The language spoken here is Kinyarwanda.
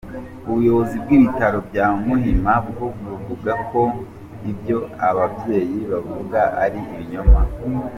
Ubuyobozi bw’ibitaro bya Muhima bwo buvugako ibyo aba babyeyi bavuga ari ibinyoma.